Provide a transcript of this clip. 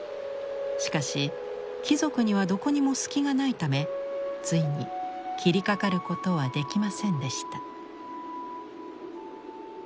しかし貴族にはどこにも隙がないためついに斬りかかることはできませんでした。